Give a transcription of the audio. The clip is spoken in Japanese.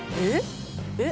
えっ？